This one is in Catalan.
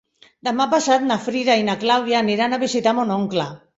Demà passat na Frida i na Clàudia aniran a visitar mon oncle.